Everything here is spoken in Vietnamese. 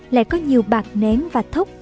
lại có nhiều bạc nén và thốc